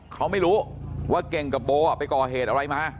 เขาไม่รู้ว่าเก่งกับโบไปก่อเหตุอะไรมา